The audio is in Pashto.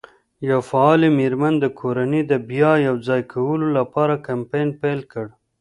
یوه فعالې مېرمن د کورنۍ د بیا یو ځای کولو لپاره کمپاین پیل کړ.